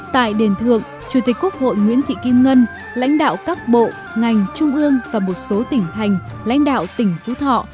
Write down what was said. tại đền thượng chủ tịch quốc hội nguyễn thị kim ngân lãnh đạo các bộ ngành trung ương và một số tỉnh thành lãnh đạo tỉnh phú thọ